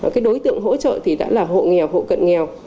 cái đối tượng hỗ trợ thì đã là hộ nghèo hộ cận nghèo